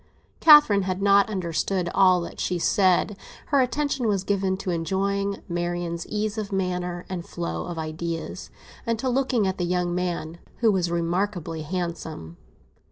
Catherine had not understood all that she said; her attention was given to enjoying Marian's ease of manner and flow of ideas, and to looking at the young man, who was remarkably handsome.